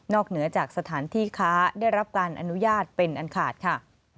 เหนือจากสถานที่ค้าได้รับการอนุญาตเป็นอันขาดค่ะ